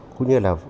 cũng như là